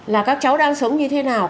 là các cháu đang sống như thế nào